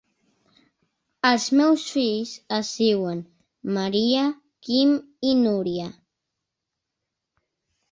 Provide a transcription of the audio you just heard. Els meus fills es diuen Maria, Quim i Núria.